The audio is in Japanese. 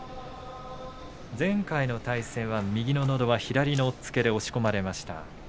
前回の対戦は右ののど輪左の押っつけで押し込まれました。